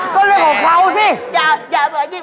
ก็เรื่องของเขาสิ